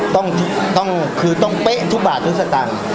ต้องคือต้องเป๊ะทุกบาททุกสตางค์